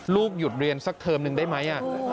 หยุดเรียนสักเทอมหนึ่งได้ไหม